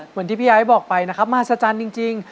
เหมือนที่พี่ไอ้บอกไปนะครับมหัศจรรย์จริง